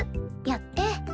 やって。